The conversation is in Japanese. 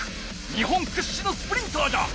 日本くっしのスプリンターじゃ。